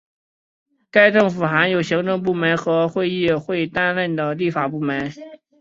该政府含有行政部门和由议会担任的立法部门。